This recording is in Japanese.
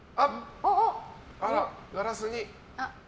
ガラスに。